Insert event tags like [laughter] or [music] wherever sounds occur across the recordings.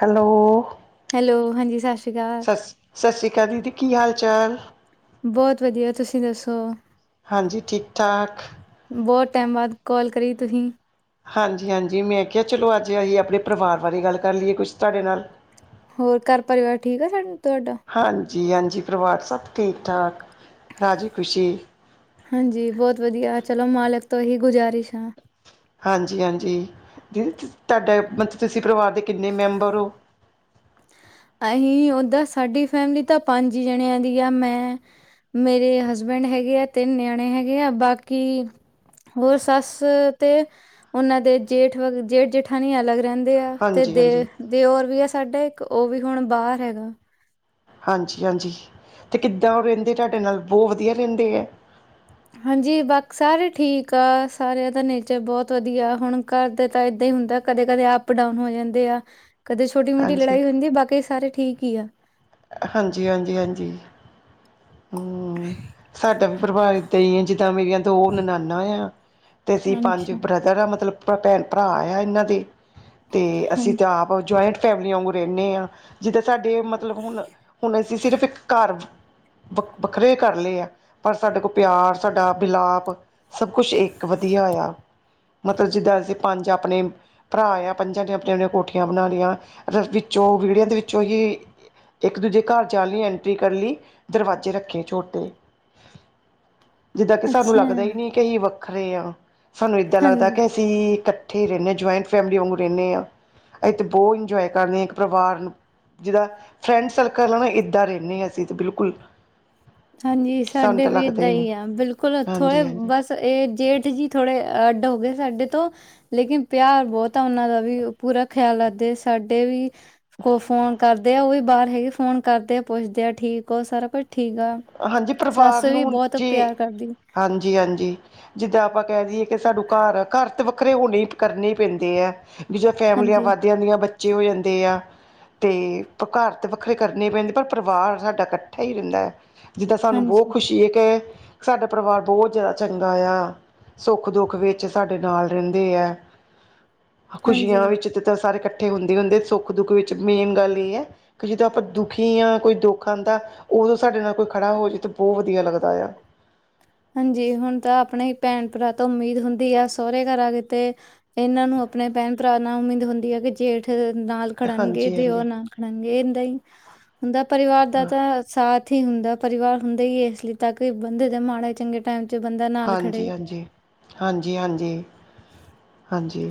Hello hello ਹਾਂਜੀ ਸਾਸਰੀ- ਸ ਸਾਸਰੀ ਕਾਲ ਦੀਦੀ ਕੀ ਹਾਲ ਚਾਲ। ਬੋਤ ਵਧੀਆ ਤੁਸੀਂ ਦੱਸੋ। ਹਾਂਜੀ ਠੀਕ ਠਾਕ। ਬੋਤ ਟੈਮ ਬਾਦ ਕੋਲ ਕਰੀ ਤੁਹੀਂ। ਹਾਂਜੀ ਹਾਂਜੀ ਮੈਂ ਕਿਆ ਚਲੋ ਅੱਜ ਅਹੀ ਆਪਣੇ ਪਰਵਾਰ ਬਾਰੇ ਗੱਲ ਕਰ ਲਈਏ ਕੁਛ ਤਾਡੇ ਨਾਲ। ਹੋਰ ਘਰ ਪਰਵਾਰ ਠੀਕ ਆ ਸਾਡ ਤੁਆਡਾ। ਹਾਂਜੀ ਹਾਂਜੀ ਪਰਵਾਰ ਸਭ ਠੀਕ ਠਾਕ- ਰਾਜੀ ਖੁਸ਼ੀ। ਹਾਂਜੀ ਬੋਤ ਵਧੀਆ ਚਲੋ ਮਾਲਕ ਤੋਂ ਏਹੀ ਗੁਜ਼ਾਰਿਸ਼ ਆ। ਹਾਂਜੀ ਹਾਂਜੀ ਦੀ ਤੁਹਾਡਾ ਮਤਲਬ ਤੁਸੀਂ ਪਰਿਵਾਰ ਦੇ ਕਿੰਨੇ ਮੈਂਬਰ ਓ? ਅਸੀਂ ਓਦਾਂ ਸਾਡੀ ਫੈਮਿਲੀ ਤਾਂ ਪੰਜ ਜਣਿਆਂ ਦੀ ਆ ਮੈਂ ਮੇਰੇ ਹਸਬੈਂਡ ਹੈਗੇ ਆ ਤਿੰਨ ਨਿਆਣੇ ਹੈਗੇ ਆ ਬਾਕੀ ਹੋਰ ਸੱਸ ਤੇ ਉਹਨਾਂ ਦੇ ਜੇਠ ਵ ਜੇਠ- ਜੇਠਾਂ ਨੀ ਅਲੱਗ ਰਹਿੰਦੇ ਆ। ਤੇ ਹਾਂਜੀ ਦੇ ਹਾਂਜੀ ਦਿਓਰ, ਦਿਓਰ ਵੀ ਆ ਸਾਡਾ ਇੱਕ ਉਹ ਵੀ ਹੁਣ ਬਾਹਰ ਹੈਗਾ। ਹਾਂਜੀ ਹਾਂਜੀ ਤੇ ਕਿੱਦਾਂ ਉਹ ਰਹਿੰਦੇ ਤੁਹਾਡੇ ਨਾਲ ਬੋ ਵਧੀਆ ਰਹਿੰਦੇ ਐ? ਹਾਂਜੀ ਬਾਕ ਸਾਰੇ ਠੀਕ ਆ ਸਾਰਿਆਂ ਦਾ ਨੇਚਰ ਬੋਤ ਵਧੀਆ ਹੁਣ ਘਰ ਦੇ ਤਾਂ ਈਦਾਂ ਹੀ ਹੁੰਦਾ ਕਦੇ- ਕਦੇ ਅਪ-ਡਾਊਨ ਹੋ ਜਾਂਦੇ ਆ। ਕਦੇ ਛੋਟ- ਮੋਟੀ ਹਾਂਜੀ ਲੜਾਈ ਹੁੰਦੀ, ਬਾਕੀ ਸਾਰੇ ਠੀਕ ਈ ਆ। ਹਾਂਜੀ ਹਾਂਜੀ ਹਾਂਜੀ। ਹੂੰ ਸਾਡਾ ਵੀ ਪਰਿਵਾਰ ਈਦਾਂ ਈ ਐ, ਜਿੱਦਾਂ ਮੇਰੀਆਂ ਦੋ ਨਨਾਨਾ ਆ, ਤੇ ਅਸੀਂ ਪੰਜ ਅੱਛਾ, ਬ ਜਿਹੜਾ ਮਤਲਬ ਭੈ-ਭੈਣ- ਭਰਾ ਆ ਇਹਨਾਂ ਦੇਤੇ ਅਸੀਂ ਤੇ ਹਾਂਜੀ। ਆਪ ਜਇੰਟ ਫੈਮਲੀ ਵਗੂ ਰਹਿੰਨੇ ਆ। ਜਿੱਦਾਂ ਸਾਡੇ ਮਤਲਬ ਹੁਣ-ਹੁਣ ਅਸੀਂ ਸਿਰਫ਼ ਇੱਕ ਘਰ ਵ-ਵੱਖ-ਵੱਖਰੇ ਕਰ ਲੈ ਆ। ਪਰ ਸਾਡੇ ਕੋਲ ਪਿਆਰ, ਸਾਡਾ ਮਿਲਾਪ ਸਭ ਕੁਛ ਇੱਕ ਵਧੀਆ ਆ। ਮਤਲਬ ਜਿੱਦਾਂ ਅਸੀਂ ਪੰਜ ਆਪਣੇ ਭਰਾ ਆ ਪੰਜਾਂ ਦੀ ਆਪਣੀਆਂ-ਆਪਣੀਆਂ ਕੋਠੀਆਂ ਬਣਾ ਲਈਆਂ ਰ-ਵਿੱਚੋਂ ਵਿਹੜੀਆਂ ਦੇ ਵਿੱਚੋਂ ਹੀ ਇੱਕ ਦੂਜੇ ਘਰ ਜਾਣ ਲਈ ਐਂਟਰੀ ਕਰ ਲਈ ਦਰਵਾਜ਼ੇ ਰੱਖੇ ਛੋਟੇ। ਜਿੱਦਾਂ ਕਿ ਸਾਨੂੰ ਅੱਛਾ, ਲੱਗਦਾ ਈ ਨੀ ਕਿ ਅਸੀਂ ਵੱਖਰੇ ਆ, ਸਾਨੂੰ ਏਦਾਂ ਲੱਗਦਾ ਹਾਂਜੀ। ਕਿ ਅਸੀਂ ਇਕੱਠੇ ਰਹਿੰਨੇ, ਜੁਆਇੰਟ ਫੈਮਿਲੀ ਵਾਂਗੂ ਰਹਿੰਨੇ ਆ। ਅਸੀਤੇ ਬੋਤ ਇੰਜੋਏ ਕਰਨੇ ਆ ਇੱਕ ਪਰਿਵਾਰ ਨੂੰ ਜਿਦਾ ਫਰੈਂਡ ਸਰਕਲ ਆ ਨਾ ਇੱਦਾਂ ਰਹਿੰਨੇ ਆ ਅਸੀਂ ਤੇ ਬਿਲਕੁਲ। ਹਾਂਜੀ ਸਾਨੂੰ ਸਾਡੇ ਤਾਂ ਵੀ ਲੱਗਦਾ ਏਦਾਂ ਹੀ ਨਹੀਂ ਈ ਆ ਬਿਲਕੁਲ ਥੋੜੇ ਹਾਂਜੀ ਹਾਂਜੀ ਬਸ ਇਹ ਜੇਠ ਜੀ ਥੋੜੇ ਅੱਡ ਹੋ ਗਏ ਸਾਡੇ ਤੋਂ ਲੇਕਿਨ ਪਿਆਰ ਬੋਤ ਆ ਉਹਨਾਂ ਦਾ ਵੀ ਪੂਰਾ ਖਿਆਲ ਰੱਖਦੇ ਸਾਡੇ ਵੀ ਕੋ ਫੋਨ ਕਰਦੇ ਆ ਉਹ ਵੀ ਬਾਹਰ ਹੈਗੇ ਫੋਨ ਕਰਦੇ ਆ ਪੁੱਛਦੇ ਆ ਠੀਕ ਓ, ਸਾਰਾ ਕੁਛ ਠੀਕ ਆ। ਹਾਂਜੀ ਸੱਸ ਪਰਿਵਾਰ ਵੀ ਨੂੰ ਬੋਤ ਜੀ ਪਿਆਰ ਕਰਦੀ ਐ। ਹਾਂਜੀ ਹਾਂਜੀ ਜਿੱਦਾਂ ਆਪਾਂ ਕਹਿ ਦੇਈਏ ਕਿ ਸਡੂੰ ਘਰ-ਘਰ ਵ ਵੱਖਰੇ ਹੋਣੇ ਕਰਨੇ ਈ ਪੈਂਦੇ ਐ, ਵੀ ਜਾਂ ਫੈਮਲੀਆਂ ਹਾਂਜੀ। ਵੱਧ ਦੀਆ ਨੀ ਆ ਬੱਚੇ ਹੋਏ ਹੁੰਦੇ ਆ। ਤੇ ਘਰ ਤਾਂ ਵੱਖਰੇ ਕਰਨੇ ਪੈਂਦੇ ਪਰ ਪਰਿਵਾਰ ਸਾਡਾ ਇਕੱਠਾ ਹੀ ਰਹਿੰਦਾ ਐ। ਜਿੱਦਾਂ ਸਾਨੂੰ ਬਹੁਤ ਹਾਂਜੀ, ਖੁਸ਼ੀ ਹੋਈ ਕੇ, ਸਾਡਾ ਪਰਿਵਾਰ ਬਹੁਤ ਜ਼ਿਆਦਾ ਚੰਗਾ ਆ। ਸੁੱਖ-ਦੁੱਖ ਵਿੱਚ ਸਾਡੇ ਨਾਲ ਰਹਿੰਦੇ ਐ, ਹਾਂਜੀ। ਖ਼ੁਸ਼ੀਆਂ ਵਿੱਚ ਤਾਂ ਸਾਰੇ ਇਕੱਠੇ ਹੁੰਦੇ-ਹੁੰਦੇ ਸੁੱਖ-ਦੁੱਖ ਵਿੱਚ ਮੇਨ ਗੱਲ ਏਹ ਐ ਕਿ ਜਦੋਂ ਆਪਾਂ ਦੁਖੀ ਹਾਂ ਕੋਈ ਦੁੱਖ ਆਦਾਂ ਉਦੋਂ ਸਾਡੇ ਨਾਲ ਕੋਈ ਖੜਾ ਹੋ, ਏ ਤੇ ਬੋਤ ਵਧੀਆ ਲੱਗਦਾ ਆ। ਹਾਂਜੀ ਹੁਣ ਤਾਂ ਆਪਣੇ ਹੀ ਭੈਣ- ਭਰਾ ਤੋਂ ਉਮੀਦ ਹੁੰਦੀ ਆ ਸਹੁਰੇ ਘਰਾਂ ਆਗੇ ਤੇ ਇਹਨਾਂ ਨੂੰ ਆਪਣੇ ਭੈਣ-ਭਰਾ ਨਾਲ ਉਮੀਦ ਹੁੰਦੀ ਆ ਕਿ ਜੇਠ ਨਾਲ ਖੜਨਗੇ ਹਾਂਜੀ ਦਿਓ ਹਾਂਜੀ ਨਾ ਖੜਨਗੇ ਇਦਾ ਹੀ, ਹੁੰਦਾ ਪਰਿਵਾਰ ਦਾ ਹਾਂ ਤਾਂ ਸਾਥ ਇੱਥੇ ਹੀ ਹੁੰਦਾ ਪਰਿਵਾਰ ਹੁੰਦਾ ਹੀ ਇਸ ਲਈ ਤਾਂ ਕਿ ਬੰਦੇ ਦੇ ਮਾੜੇ ਚੰਗੇ ਟਾਈਮ ਚ ਬੰਦਾ ਨਾਲ ਹਾਂਜੀ ਖੜੇ, ਹਾਂਜੀ, ਹਾਂਜੀ ਹਾਂਜੀ, ਹਾਂਜੀ।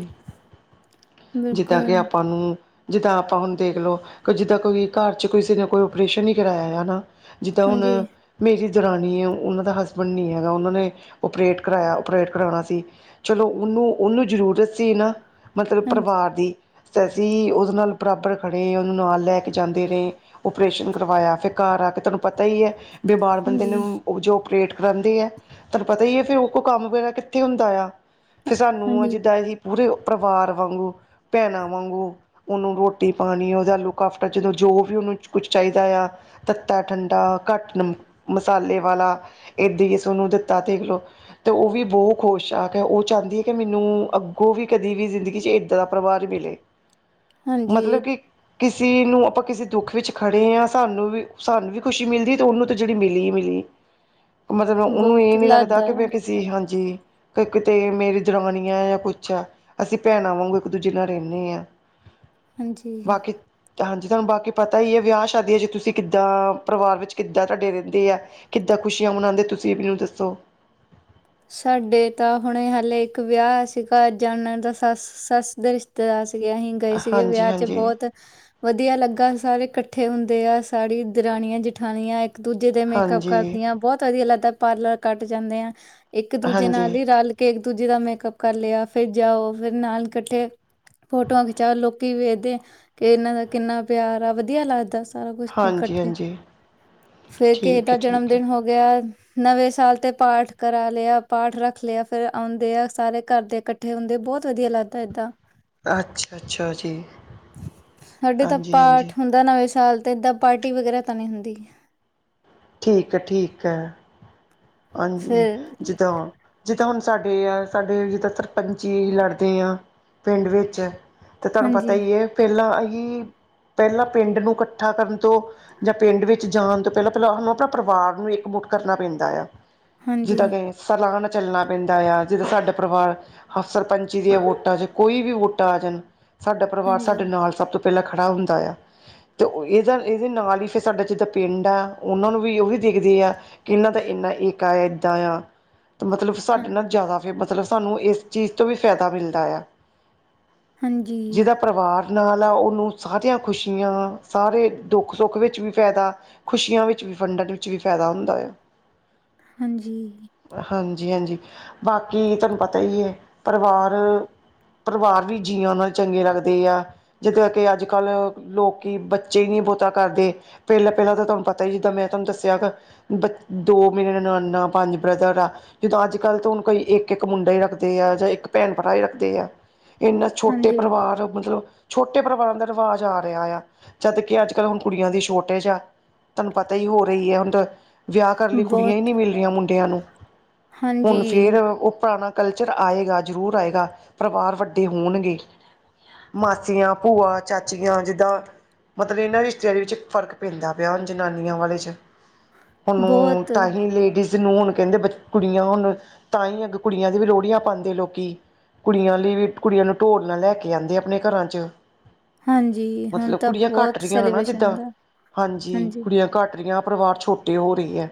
ਜਿੱਦਾਂ ਕਿ ਬਿਲਕੁਲ, ਆਪਾਂ ਨੂੰ ਜਿੱਦਾਂ ਆਪਾਂ ਹੁਣ ਦੇਖ ਲਓ, ਕੋਈ ਜਿੱਦਾਂ ਕੋਈ ਘਰ 'ਚ ਕਿਸੇ ਨੇ ਕੋਈ ਓਪ-ਓਪਰੇਸ਼ਨ ਈ ਕਰਵਾਇਆ ਹੈ ਨਾ ਜਿੱਦਾਂ ਹੁਣ ਹਾਂਜੀ, ਮੇਰੀ ਦਰਾਨੀ ਏ, ਉਨਾਂ ਦਾ ਹਸਬੈਂਡ ਨੀ ਹੈਗਾ, ਉਨਾਂ ਨੇ ਔਪਰੇਟ ਕਰਾਏਆ, ਔਪਰੇਟ ਕਰਾਣਾ ਸੀ ਚਲੋ, ਉਨੂੰ-ਉਨੂੰ ਜਰੂਰਤ ਸੀ ਨਾ, ਮਤਲਬ ਹਾਂਜੀ, ਪਰਿਵਾਰ ਦੀ। ਤੇ ਅਸੀ ਉਦੇ ਨਾਲ ਬਰਾਬਰ ਖੜੇ ਆਂ, ਉਨੂੰ ਨਾਲ ਲੈ ਕੇ ਜਾਂਦੇ ਰੇ ਔਪਰੇਸ਼ਨ ਕਰਵਾਏਆ, ਫੇਰ ਘਾਰ ਆ ਕੇ ਤੂਆਨੂੰ ਪਤਾ ਈ ਐ ਬਿਮਾਰ ਬੰਦੇ ਹਾਂਜੀ, ਨੂੰ, ਓ ਜੋ ਔਪਰੇਟ ਕਰਾਂਦੇ ਐ ਤਾਨੂੰ ਪਤਾ ਈ ਏ, ਫੇਰ ਓ ਕੋ ਕਾੰਮ ਵਗੈਰਾ ਕਿੱਥੇ ਹੁੰਦਾ ਆ, ਫਿਰ ਸਾਨੂੰ ਹਾਂਜੀ, ਜਿੱਦਾਂ ਐਦੀ ਪੂਰੇ ਪਰਵਾਰ ਵਾਂਗੂ, ਭੈਣਾਂ ਵਾਂਗੂ ਓਨੂੰ ਰੋਟੀ-ਪਾਨੀ, ਓਦਾ ਲੁੱਕ ਆਫਟਰ ਜਦੋਂ ਜੋ ਵੀ ਓਨੂੰ ਕੁੱਛ ਚਾਈਦਾ ਆ ਤੱਤਾ ਠੰਡਾ, ਘਾੱਟ ਨਮ ਮਸਾਲੇ ਵਾਲਾ, ਏਦਾਂ ਅਸੀ ਓਨੂੰ ਦਿੱਤਾ ਦੇਖਲੋ। ਤੇ ਓ ਵੀ ਬੋ ਖੁਸ਼ ਆ, ਕੇ ਓ ਚ੍ਹਾਂਦੀ ਏ ਕਿ ਮੈਨੂੰ ਅੱਗੋਂ ਵੀ ਕਦੀ ਵੀ ਜ਼ਿੰਦਗੀ ਚ ਏਦਾਂ ਦਾ ਪਰਿਵਾਰ ਮਿਲੇ, ਹਾਂਜੀ, ਮਤਲਬ ਇਹ ਕਿ ਕਿਸੀ ਨੂੰ ਆਪਾਂ ਕਿਸੀ ਦੁੱਖ ਵਿੱਚ ਖੜੇ ਆਂ, ਸਾਨੂੰ ਵੀ, ਸਾਨੂੰ ਵੀ ਖੁਸ਼ੀ ਮਿਲਦੀ, ਤੇ ਓਨੂੰ ਤੇ ਜੇੜੀ ਮਿਲੀ ਈ ਮਿਲੀ। ਮਤਲਬ ਓਨੂੰ ਏ ਬਹੁਤ ਨੀ ਲੱਗਦਾ ਕਿ ਆ, ਮੈਂ ਕਿਸੇ- ਸੀ ਹਾਂਜੀ, ਕ ਕਿਤੇ ਮੇਰੀ ਦਰਾਨੀ ਐ ਯਾ ਕੁੱਛ ਐ। ਭੈਨਾਂ ਵਾਂਗੂ ਇੱਕ ਦੂਜੇ ਨਾਲ ਰੈਨੇ ਆਂ, ਹਾਂਜੀ। ਬਾਕੀ ਹਾਂਜੀ, ਤੂਆਨੂੰ ਬਾਕੀ ਪਤਾ ਈ ਐ, ਵਿਆ ਸ਼ਾਦੀਆਂ ਚ ਤੂਸੀ ਕਿੱਦਾਂ, ਪਰਿਵਾਰ ਵਿੱਚ ਕਿੱਦਾਂ ਤੂਆਡੇ ਰੈਂਦੇ ਆ। ਕਿੱਦਾਂ ਖੁਸ਼ੀਆਂ ਮਨਾਂਦੇ, ਤੂਸੀ ਅਪਨੀ ਓ ਦੱਸੋ? ਸਾਡੇ ਤਾਂ ਹੁਣੇ ਹਾਲੇ ਇੱਕ ਵੇਆ ਸੀਗਾ, ਜਾਨਨ ਦਾ ਸਾੱਸ ਸਾੱਸ ਦੇ ਰਿਸ਼ਤੇਦਾਰ ਸੀਗੇ, ਅਹੀਂ ਗਏ ਸੀਗੇ ਹਾਂਜੀ ਵੇਆ ਚ ਹਾਂਜੀ ਬੋਤ ਵਦੀਆ ਲੱਗਾ, ਸਾਰੇ ਕੱਠੇ ਹੁੰਦੇ ਆ, ਸਾਰੀ ਦਰਾਨੀਆਂ, ਜਠਾਨੀਆਂ ਇੱਕ ਦੂਜੇ ਦੇ ਮੇਕਅੱਪ ਹਾਂਜੀ ਕਰਦੀਆਂ, ਬੋਤ ਵਦੀਆ ਲੱਗਦਾ, ਪਾਰਲਰ ਘਾੱਟ ਜਾਂਨੇ ਆਂ। ਇੱਕ ਦੂਜੇ ਹਾਂਜੀ ਨਾਲ ਈ ਰਾੱਲ ਕੇ, ਇੱਕ ਦੂਜੇ ਦਾ ਮੇਕਅਪ ਕਾਰ ਲੇਆ, ਫੇਰ ਜਾਓ ਫਿਰ ਨਾਲ ਕੱਠੇ ਫੋਟੋਆਂ ਖਿਚਾਓ ਲੋਕੀ ਵੇਖਦੇ ਆਂ, ਕਿ ਏਨਾਂ ਦਾ ਕਿੰਨਾ ਪੇਆਰ ਆ, ਵਦੀਆ ਲਾੱਗਦੈ ਸਾਰਾ ਕੁੱਛ ਹਾਂਜੀ ਕੱਠੇ, ਹਾਂਜੀ ਫੇਰ ਕਿਸੇ ਠੀਕ ਦਾ ਹੈ ਜਨਮ ਠੀਕ ਹੈ ਦਿਨ ਹੋ ਗੇਆ, ਨਵੇਂ ਸਾਲ ਤੇ ਪਾਠ ਕਰਾ ਲੇਆ, ਪਾਠ ਰਾੱਖ ਲੇਆ ਫੇਰ ਆਂਉਦੇ ਆ ਸਾਰੇ ਘਾਰ ਦੇ ਕੱਠੇ ਹੁੰਦੇ, ਬੋਤ ਵਦੀਆ ਲਾੱਗਦੈ ਇਦਾਂ। ਅੱਛਾ-ਅੱਛਾ ਜੀ, ਸਾਡੇ ਤਾਂ ਪਾਠ ਹਾਂਜੀ-ਹਾਂਜੀ। ਹੁੰਦਾ ਨਵੇਂ ਸਾਲ ਤੇ ਏਦਾਂ ਪਾਰਟੀ ਵਗੈਰਾ ਤਾਂ ਨੀ ਹੁੰਦੀ। ਠੀਕ ਐ, ਠੀਕ ਐ ਹਾਂਜੀ, ਫਿਰ ਜਿੱਦਾਂ ਜਿੱਦਾਂ ਹੁਨ ਸਾਡੇ ਆ, ਸਾਡੇ ਜਿੱਦਾਂ ਸਰਪੰਚੀ ਲੜਦੇ ਆਂ, ਪਿੰਡ ਵਿੱਚ ਤੇ ਤੂਆਨੂੰ ਪਤਾ ਹਾਂਜੀ ਈ ਏ, ਪੈਲਾਂ ਅਹਿ ਪੈਲਾਂ ਪਿੰਡ ਨੂੰ ਕੱ ਕੱਠਾ ਕਰਨ ਤੋਂ ਜਾਂ ਪਿੰਡ ਵਿੱਚ ਜਾਨ ਤੋਂ ਪੈਲਾਂ-ਪੈਲਾਂ ਹਾਨੁ ਆਪਨਾ ਪਰਿਵਾਰ ਨੂੰ ਇੱਕ ਮੁੁੱਠ ਕਰਨਾ ਪੈਂਦਾ ਆ। ਹਾਂਜੀ ਜਿੱਦਾਂ ਕਿ ਸਲਾਅ ਨਾਲ ਚੱਲਨਾ ਪੈਂਦਾ ਆ, ਜਿੱਦਾਂ ਸਾਡਾ ਪਰਿਵਾਰ ਹਾ ਸਰਪੰਚੀ ਦੀਆਂ ਵੋਟਾਂ ਚ, ਕੋਈ ਵੀ ਵੋਟਾਂ ਆ ਜਾਨ, ਸਾਡਾ ਪਰਿਵਾਰ ਹਾਂਜੀ ਸਾਡੇ ਨਾਲ ਸਬ ਤੋਂ ਪ੍ਹੈਲਾਂ ਖੜਾ ਹੁੰਦਾ ਯਾ। ਤੇ ਓ ਏਜਾ, ਏਦੇ ਨਾਲ ਈ ਫਿਰ ਸਾਡਾ ਜਿੱਦਾਂ ਪਿੰਡ ਆ, ਓਨਾਂ ਨੂੰ ਵੀ ਓਵੀ ਦੇਖਦੇ ਆ ਕਿ ਇੱਨਾਂ ਦਾ ਇੰਨਾ ਏਕਾਂ, ਏਦਾਂ ਆ, ਤੇ ਮਤਲਬ ਹਾਂ ਸਾਡੇ ਨਾ ਜਾਦਾ ਜੇ ਮਤਲਬ ਸਾਨੂੰ ਏਸ ਚੀਜ ਤੋਂ ਵੀ ਫੈਦਾ ਮਿਲਦਾ ਯਾ। ਹਾਂਜੀ। ਪਰਿਵਾਰ ਨਾਲ ਆ, ਓਨੂੰ ਸਾਰੀਆਂ ਖੁਸ਼ੀਆਂ, ਸਾਰੇ ਦੁੱਖ-ਸੁੱਖ ਵਿੱਚ ਵੀ ਫੈਦਾ ਖੁਸ਼ੀਆਂ ਵਿੱਚ ਵੀ ਫੰਡਨ ਵਿੱਚ ਵੀ ਫੈਦਾ ਹੁੰਦਾ ਯਾ। ਹਾਂਜੀ। ਹਾਂਜੀ-ਹਾਂਜੀ, ਬਾਕੀ ਤੂਆਨ ਪਤਾ ਈ ਏ ਪਰਿਵਾਰ ਪਰਿਵਾਰ ਵੀ ਜੀਆਂ ਨਾਲ ਚੰਗੇ ਲੱਗਦੇ ਆ। ਜਿੱਦਾਂ ਕਿ ਆੱਜ-ਕਾੱਲ, ਲੋਕੀ ਬੱਚੇ ਈ ਨੀ ਬੋਤਾ ਕਾਰਦੇ ਪਹਿਲਾਂ-ਪਹਿਲਾਂ ਤਾਂ ਤੁਹਾਨੂੰ ਪਤਾ ਹੀ, ਜਿੱਦਾਂ ਮੈਂ ਤੁਹਾਨੂੰ ਦੱਸਿਆ ਬ ਦੋ ਮੇਰੀ ਨਨਾਣਾ, ਪੰਜ ਬ੍ਰਦਰ ਆ। ਜਿਦਾਂ ਅੱਜ-ਕੱਲ ਤਾਂ ਹੁਣ ਕੋਈ ਇੱਕ-ਇੱਕ ਮੁੰਡਾ ਹੀ ਰੱਖਦੇ ਆ, ਜਾਂ ਇੱਕ ਭੈਣ-ਭਰਾ ਹੀ ਰੱਖਦੇ ਆ। ਇੰਨਾ ਛੋਟੇ ਹਾਂਜੀ ਪਰਿਵਾਰ ਆ ਮਤਲਬ- ਛੋਟੇ ਪਰਿਵਾਰ ਦਾ ਰਿਵਾਜ਼ ਆ ਰਿਹਾ ਆ, ਜਦ ਕਿ ਅੱਜ-ਕੱਲ ਹੁਣ ਕੁੜੀਆਂ ਦੀ ਸ਼ੌਰਤੇਜ ਆ। ਤੁਹਾਨੂੰ ਪਤਾ ਹੀ ਹੋ ਰਹੀ ਐ [unintelligible] ਵਿਆਹ ਕਰਨ ਲਈ ਕੁੜੀਆਂ ਹੀ ਬਹੁਤ ਨਹੀ ਮਿਲ ਰਹੀਆਂ ਮੁੰਡਿਆਂ ਨੂੰ ਹਾਂਜੀ ਹੁਣ ਫੇਰ ਉਹ ਪੁਰਾਣਾ ਕਲਚਰ ਆਏਗਾ, ਜ਼ਰੂਰ ਆਏਗਾ, ਪਰਿਵਾਰ ਵੱਡੇ ਹੋਣਗੇ। ਮਾਸੀਆਂ, ਭੂਆ, ਚਾਚੀਆਂ ਜਿਦਾਂ ਮਤਲਬ ਇਹਨਾਂ ਰਿਸ਼ਤੇਦਾਰੀ ਵਿੱਚ ਫ਼ਰਕ ਪੈਂਦਾ ਪਿਆ, ਹੁਣ ਜਨਾਨੀਆਂ ਵਾਲੇ ਚ ਉਹਨੂੰ ਬਹੁਤ ਲੇਡੀਜ਼ ਨੂੰ ਹੁਣ ਕਹਿੰਦੇ, ਬਚ ਕੁੜੀਆਂ ਹੋਣ, ਤਾਂ ਹੀ ਅੱਗੇ ਕੁੜੀਆਂ ਦੀ ਵੀ ਲੋਹੜੀਆਂ ਪਾਦੇ ਲੋਕੀ। ਕੁੜੀਆਂ ਲਈ ਵੀ, ਕੁੜੀਆਂ ਨੂੰ ਢੋਲ ਨਾਲ ਲੈ ਕੇ ਆਂਦੇ ਆਪਣੇ ਘਰਾਂ 'ਚ। ਹਾਂਜੀ ਹੁਣ ਮਤਲਬ ਤਾਂ ਕੁੜੀਆਂ ਘੱਟ ਬਹੁਤ ਰਹੀਆਂ ਆ ਨਾ, ਸੈਲੀਬ੍ਰੇਸ਼ਨ ਜਿੱਦਾਂ ਦਾ ਹਾਂਜੀ, ਕੁੜੀਆਂ ਘੱਟ ਰਹੀਆਂ, ਪਰਿਵਾਰ ਛੋਟੇ ਹੋ ਰਹੀ ਐ,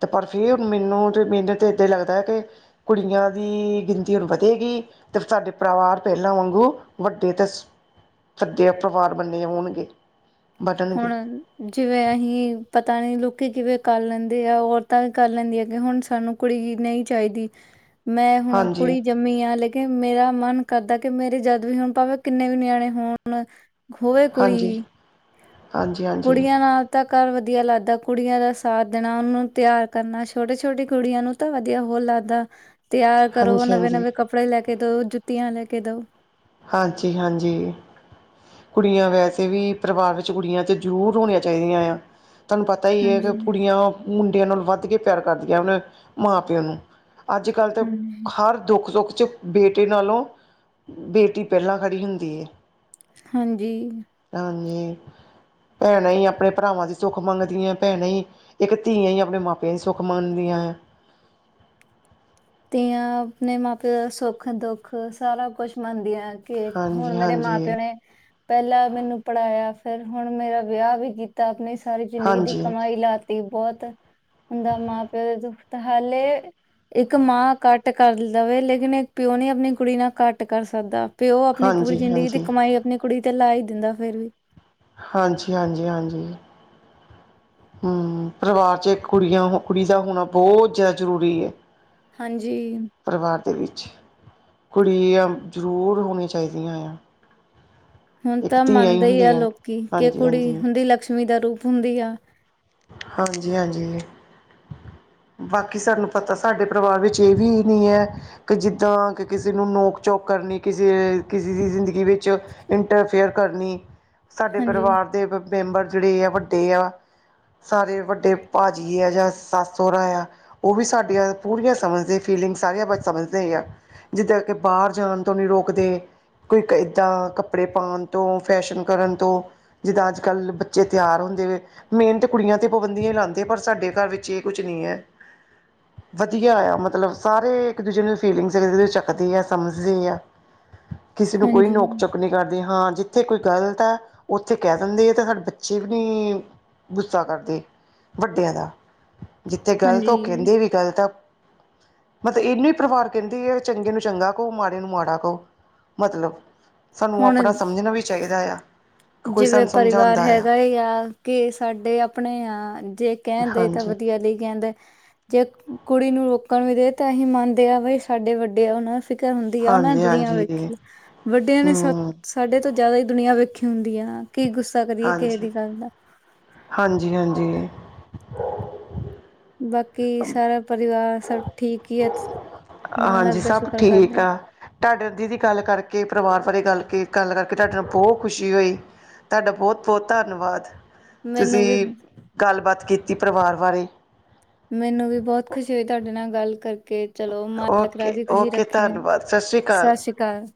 ਤੇ ਪਰ ਫੇਰ ਮੈਨੂੰ ਤੇ, ਮੈਨੂੰ ਤੇ ਏਦਾਂ ਈ ਲੱਗਦਾ ਹੈ ਕਿ ਕੁੜੀਆਂ ਦੀ ਗਿਣਤੀ ਹੁਣ ਵਧੇ ਗੀ। ਤੇ ਸਾਡੇ ਪਰਿਵਾਰ ਪਹਿਲਾਂ ਵਾਂਗੂ ਵੱਡੇ ਤੇ [unintelligible] [unintelligible] ਵਾਰ ਬੰਨੇ ਹੋਣਗੇ। ਬਣਨਗੇ ਹੁਣ ਜਿਵੇਂ ਅਹੀ ਪਤਾ ਨੀ ਲੋਕੀ ਕਿਵੇਂ ਕਰ ਲੈਂਦੇ ਆ, ਔਰਤਾਂ ਵੀ ਕਰ ਲੈਂਦੀਆਂ, ਕਿ ਹੁਣ ਸਾਨੂੰ ਕੁੜੀ ਹੀ ਨਹੀਂ ਚਾਹੀਦੀ। ਮੈਂ ਹੁਣ ਹਾਂਜੀ ਕੁੜੀ ਜੰ ਕੁੜੀਆਂ, ਲੇਕਿਨ ਮੇਰਾ ਮਨ ਕਰਦਾ ਕਿ ਮੇਰੇ ਜਦ ਵੀ ਹੁਣ ਭਾਵੇਂ ਕਿੰਨੇ ਵੀ ਨਿਆਣੇ ਹੋਣ ਹੋਏ ਕੁੜੀ ਹਾਂਜੀ ਹਾਂਜੀ ਈ। ਹਾਂਜੀ ਹਾਂਜੀ ਕੁੜੀਆਂ ਨਾਲ ਤਾਂ ਘਰ ਵਧੀਆ ਲੱਗਦਾ, ਕੁੜੀਆਂ ਦਾ ਸਾਥ ਦੇਣਾ, ਉਹਨਾਂ ਨੂੰ ਤਿਆਰ ਕਰਨਾ, ਛੋਟੇ- ਛੋਟੀੇ ਕੁੜੀਆਂ ਨੂੰ ਤਾਂ ਵਧੀਆ ਬਹੁਤ ਲੱਗਦਾ, ਤਿਆਰ ਕਰੋ, ਹਾਂਜੀ ਨਵੇਂ-ਨਵੇਂ ਕੱਪੜੇ ਲੈ ਕੇ ਦਓ, ਜੁੱਤੀਆਂ ਲੈ ਕੇ ਦਓ। ਹਾਂਜੀ ਹਾਂਜੀ। ਕੁੜੀਆਂ ਵੈਸੇ ਵੀ ਪਰਿਵਾਰ ਵਿੱਚ ਕੁੜੀਆਂ ਤੇ ਜ਼ਰੂਰ ਹੋਣੀਆਂ ਚਾਹੀਦੀਆਂ ਏ ਆ। ਤੁਹਾਨੂੰ ਪਤਾ ਹੀ ਏ ਵੀ ਹਾਂਜੀ ਕੁੜੀਆਂ ਮੁੰਡਿਆਂ ਨਾਲ ਵੱਧ ਕੇ ਪਿਆਰ ਕਰਦੀਆਂ ਆ ਅਪਣੇ ਮਾਂ-ਪਿਓ ਨੂੰ। ਅੱਜ-ਕੱਲ੍ਹ ਤਾ ਹਾਂਜੀ ਹਰ ਦੁੱਖ-ਸੁੱਖ ਚ ਬੇਟੇ ਨਾਲੋਂ ਬੇਟੀ ਪਹਿਲਾਂ ਖੜ੍ਹੀ ਹੁੰਦੀ ਏ। ਹਾਂਜੀ। ਹਾਂਜੀ, ਭੈਣਾਂ ਈ ਆਪਣੇ ਭਰਾਵਾਂ ਦੀ ਸੁੱਖ ਮੰਗਦੀਆਂ, ਭੈਣਾਂ ਈ ਇੱਕ ਧੀਆ ਹੀ ਆਪਣੇ ਮਾਪਿਆ ਦੀ ਸੁੱਖ ਮੰਨਦੀਆਂ ਐ। ਧੀਆਂ ਆਪਣੇ ਮਾਂ-ਪਿਓ ਦਾ ਸੁੱਖ-ਦੁੱਖ ਸਾਰਾ ਕੁਛ ਮੰਨਦੀਆ। ਕੇ ਹੁਣ ਹਾਂਜੀ ਮੇਰੇ ਮਾਂ-ਪਿਓ ਹਾਂਜੀ ਨੇ ਪਹਿਲਾਂ ਮੈਨੂੰ ਪੜ੍ਹਾਇਆ ਫੇਰ ਹੁਣ ਮੇਰਾ ਵਿਆਹ ਵੀ ਕੀਤ ਤਾ ਆਪਣੀ ਸਾਰੀ ਜ਼ਿੰਦਗੀ ਦੀ ਹਾਂਜੀ ਕਮਾਈ ਲਾ ਤੀ ਬਹੁਤ ਹੁੰਦਾ ਮਾਂ-ਪਿਓ ਦੁੱਖ ਤੇ ਹਾਲੇ ਇਕ ਮਾਂ ਘੱਟ ਕਰ ਦਵੇ ਲੇਕਿਨ ਇਕ ਪਿਓ ਨੀ ਆਪਣੀ ਕੁੜੀ ਨਾਲ ਘੱਟ ਕਰ ਸਕਦਾ। ਪਿਓ ਆਪਣੀ ਪੂਰੀ ਹਾਂਜੀ ਜ਼ਿੰਦਗੀ ਦੀ ਹਾਂਜੀ ਕਮਾਈ ਆਪਣੀ ਕੁੜੀ ਤੇ ਲਾ ਹੀ ਦਿੰਦਾ ਫੇਰ ਵੀ। ਹਾਂਜੀ, ਹਾਂਜੀ, ਹਾਂਜੀ। ਹੂੰ, ਪਰਿਵਾਰ ਚ ਇਕ ਕੁੜੀਆਂ ਕੁੜੀ ਦਾ ਹੋਣਾ ਬਹੁਤ ਜ਼ਿਆ ਜ਼ਰੂਰੀ ਐ। ਹਾਂਜੀ। ਪਰਿਵਾਰ ਦੇ ਵਿੱਚ ਕੁੜੀਆਂ ਜ਼ਰੂਰ ਹੋਣੀਆ ਚਾਹੀਦੀਆਂ ਆ। ਹੁਣ ਇੱਕ ਤਾਂ ਧੀਆਂ ਹੀ ਮੰਨਦੇ ਈ ਐ ਹੁੰਦੀਆਂ ਲੋਕੀ ਕਿ ਹਾਂਜੀ ਕੁੜੀ ਹਾਂਜੀ ਹੁੰਦੀ ਲਕਸ਼ਮੀ ਦਾ ਰੂਪ ਹੁੰਦੀ ਆ। ਹਾਂਜੀ ਹਾਂਜੀ। ਬਾਕੀ ਸਾਨੂੰ ਪਤਾ ਸਾਡੇ ਪਰਿਵਾਰ ਵਿੱਚ ਇਹ ਵੀ ਨੀ ਐ ਕਿ ਜਿੱਦਾਂ ਕਿ ਕਿਸੇ ਨੂੰ ਨੋਕ-ਚੋਕ ਕਰਨੀ ਕਿਸੇ ਕਿਸੇ ਦੀ ਜ਼ਿੰਦਗੀ ਵਿੱਚ ਇੰਟਰਫੇਅਰ ਕਰਨੀ ਸਾਡੇ ਹਾਂਜੀ ਪਰਿਵਾਰ ਦੇ ਮਬ ਮੈਂਬਰ ਜਿਹੜੇ ਆ ਵੱਡੇ ਆ ਸਾਰੇ ਵੱਡੇ ਭਾਜੀ ਐ ਜਾਂ ਸੱਸ ਸਹੁਰਾ ਆ ਉਹ ਵੀ ਸਾਡੀਆਂ ਪੂਰੀਆਂ ਸਮਝਦੇ ਫੀਲਿੰਗਸ ਸਾਰੀਆਂ ਬਾਈ ਸਮਝਦੇ ਆ ਜਿੱਦਾਂ ਕਿ ਬਾਹਰ ਜਾਣ ਤੋਂ ਵੀ ਰੋਕਦੇ ਕੋਈ ਇੱਦਾਂ ਕੱਪੜੇ ਪਾਣ ਤੋਂ ਫੈਸ਼ਨ ਕਰਨ ਤੋਂ ਜਿਦਾਂ ਅੱਜ-ਕੱਲ੍ਹ ਬੱਚੇ ਤਿਆਰ ਹੁੰਦੇ ਵੇਂ ਮੇਹਨਤ ਕੁੜੀਆਂ ਤੇ ਪਾਬੰਦੀਆਂ ਹੀ ਲਾਉਂਦੇ ਪਰ ਸਾਡੇ ਘਰ ਵਿੱਚ ਇਹ ਕੁਛ ਨਹੀਂ ਹੈ। ਵਧੀਆ ਆ ਮਤਲਬ ਸਾਰੇ ਇੱਕ ਦੂਜੇ ਨੂੰ ਫੀਲਿੰਗਜ਼ ਜ, ਚੱਕਦੇ ਆ ਸਮਝਦੇ ਆ। ਕਿਸੇ ਨੂੰ ਕੋਈ ਹਾਂਜੀ ਨੋਕ ਚੁੱਕ ਨਹੀਂ ਕੀ ਕਰਦੇ ਹਾਂ ਜਿੱਥੇ ਕੋਈ ਗਲਤ ਹੈ। ਉੱਥੇ ਕਹਿ ਦਿੰਦੇ ਆ ਤਾਂ ਸਾਡੇ ਬੱਚੇ ਵੀ ਗੁੱਸਾ ਕਰਦੇ ਵੱਡਿਆਂ ਦਾ ਜਿੱਥੇ ਗਲਤ ਉਹ ਹਾਂਜੀ ਕਹਿੰਦੇ ਵੀ ਗਲਤ ਆ। ਮਤਲਬ ਇਹਨੂੰ ਹੀ ਪਰਿਵਾਰ ਕਹਿੰਦੇ ਆ, ਚੰਗੇ ਨੂੰ ਚੰਗਾ ਕਹੋ, ਮਾੜੇ ਨੂੰ ਮਾੜਾ ਕੋ। ਮਤਲਬ ਸਾਨੂੰ ਹੁਣ ਆਪਣਾ ਸਮਝਣਾ ਵੀ ਚਾਹੀਦਾ ਆ। ਕਿ ਕੋਈ ਜਿਵੇਂ ਸਾਨੂੰ ਪਰਿਵਾਰ ਸਮਝਾਉਂਦਾ ਆ ਹੈਗਾ ਏ ਯਾਂ ਕਿ ਸਾਡੇ ਆਪਣੇ ਆ ਜੇ ਕਹਿੰਦੇ ਤਾਂ ਹਾਂਜੀ ਵਧੀਆ ਲਈ ਕਹਿੰਦੇ। ਜੇ ਕੁੜੀ ਨੂੰ ਰੋਕਣ ਵੀ ਦੇ, ਤਾਂ ਅਸੀਂ ਮੰਨਦੇ ਹਾਂ ਵਈ ਸਾਡੇ ਵੱਡੇ ਆ ਉਹ ਨਾ। ਫਿਕਰ ਹੁੰਦੀ ਆ, ਉਹਨਾਂ ਨੇ ਹਾਂਜੀ ਦੁਨੀਆਂ ਹਾਂਜੀ ਵੇਖੀ, ਵੱਡਿਆਂ ਨੇ ਹਮ ਸਾਡੇ ਤੋਂ ਜ਼ਿਆਦਾ ਹੀ ਦੁਨੀਆਂ ਵੇਖੀ। ਹੁੰਦੀ ਆ, ਕੀ ਗੁੱਸਾ ਕਰੀਏ ਕਿਸੇ ਹਾਂਜੀ ਦੀ ਗੱਲ ਦਾ। ਹਾਂਜੀ ਹਾਂਜੀ। ਬਾਕੀ ਸਾਰਾ ਪਰਿਵਾਰ ਸਭ ਠੀਕ ਹੀ ਹੈ। ਹਾਂਜੀ ਮਾਲਕ ਦਾ ਸਭ ਸ਼ੁਕਰ ਠੀਕ ਕਰਦੇ ਆ। ਤੁਹਾਡੇ ਦੀਦੀ ਗੱਲ ਕਰਕੇ, ਪਰਿਵਾਰ ਬਾਰੇ ਗੱਲ ਕੇ ਗੱਲ ਕਰਕੇ, ਤੁਹਾਡੇ ਨਾਲ ਬਹੁਤ ਖੁਸ਼ੀ ਹੋਈ। ਤੁਹਾਡਾ ਬਹੁਤ ਬਹੁਤ ਧੰਨਵਾਦ, ਮੈਨੂੰ ਤੁਸੀਂ ਵੀ ਗੱਲਬਾਤ ਕੀਤੀ ਪਰਿਵਾਰ ਬਾਰੇ। ਮੈਨੂੰ ਵੀ ਬਹੁਤ ਖੁਸ਼ੀ ਹੋਈ ਤੁਹਾਡੇ ਨਾਲ ਗੱਲ ਕਰਕੇ। ਚਲੋ, ਮਾਲਕ ਓਕੇ ਰਾਜੀ ਖੁਸ਼ੀ ਓਕੇ ਰੱਖੇ, ਧੰਨਵਾਦ ਸ਼੍ਰੀ ਸਤਿ ਸ੍ਰੀ ਅਕਾਲ ਜੀ।